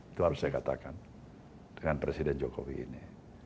itu harus saya katakan dengan presiden jokowi ini